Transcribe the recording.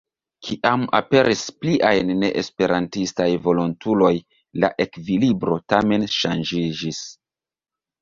Kiam aperis pliaj neesperantistaj volontuloj la ekvilibro tamen ŝanĝiĝis.